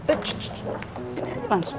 eits ini aja langsung